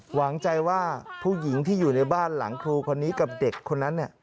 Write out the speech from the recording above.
หวังใจว่าผู้หญิงที่อยู่ในบ้านหลังครูคนนี้กับเด็กคนนั้น